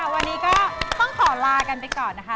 วันนี้ก็ต้องขอลากันไปก่อนนะคะ